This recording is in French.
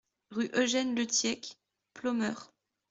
Rue Eugène Le Thiec, Ploemeur